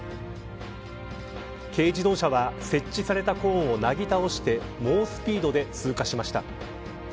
軽自動車は設置されたコーンをなぎ倒して猛スピードで通過しました。